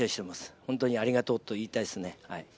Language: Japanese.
本当にありがとうと言いたいですね。